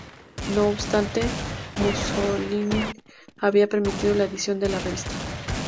No obstante, Mussolini había permitido la edición de la revista.